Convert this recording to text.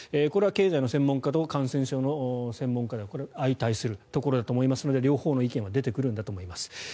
これは経済の専門家と感染症の専門家では相対するところだと思いますので両方の意見が出てくるんだと思います。